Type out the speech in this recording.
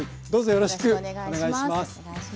よろしくお願いします。